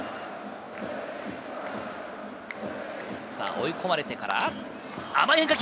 追い込まれてから、甘い変化球！